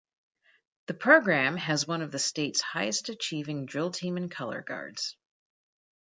The program hase one of the state's highest achieving drill team and color guards.